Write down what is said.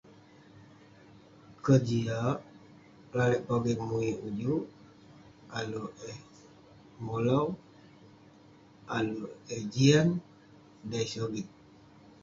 Kejiak lalek pogeng muik ujuk, ayuk eh molau, ayuk eh jian. Dei eh sogit.